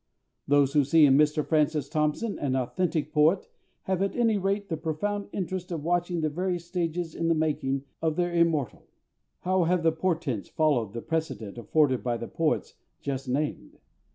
Those who see in Mr FRANCIS THOMPSON an authentic poet have at any rate the profound interest of watching the various stages in the making of their immortal. How have the portents followed the precedent afforded by the poets just named?